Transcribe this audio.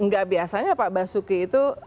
gak biasanya pak basuki itu